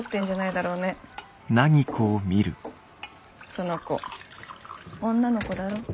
その子女の子だろ？